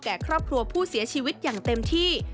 ครอบครัวผู้เสียชีวิตอย่างเต็มที่